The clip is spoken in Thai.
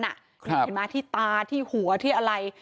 เห็นไหมที่ตาที่หัวที่อะไร